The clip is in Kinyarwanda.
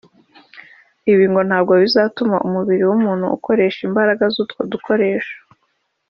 Ibi ngo ntabwo bizatuma umubiri w’umuntu ukoresha imbaraga z’utwo dukoresho